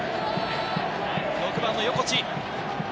６番・横地。